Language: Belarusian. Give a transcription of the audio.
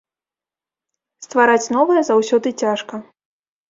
Ствараць новае заўсёды цяжка.